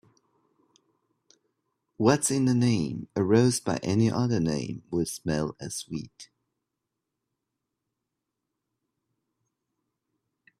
What's in a name? A rose by any other name would smell as sweet.